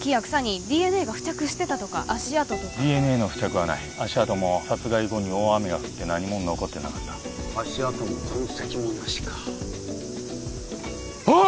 木や草にＤＮＡが付着してたとか足跡とかＤＮＡの付着はない足跡も殺害後に大雨が降って何も残ってなかった足跡も痕跡もなしかあっ！